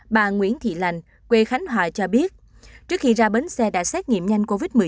bà nguyễn thị lành quê khánh hòa cho biết trước khi ra bến xe đã xét nghiệm nhanh covid một mươi chín